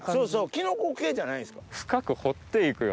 キノコ系じゃないんですか？